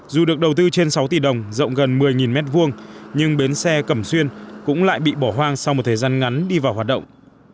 dù được đầu tư trên sáu tỷ đồng rộng gần một mươi m hai nhưng bến xe cẩm xuyên cũng lại bị bỏ hoang sau một thời gian ngắn đi vào hoạt động